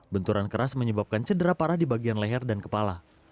benturan keras menyebabkan cedera parah di bagian leher dan kepala